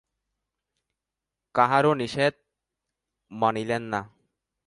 কাহারও নিষেধ মানিলেন না।